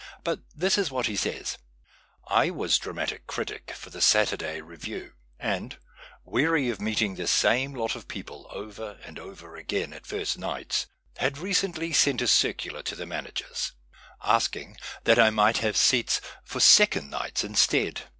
But this is what he says :—" I was dra matic critic for the Saturday lieviezv, and, weary of meeting the same lot of people over and over again at first nights, had recently sent a circular to the managers, asking that I might have seats for second nights instead."